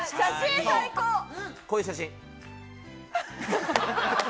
こういう写真。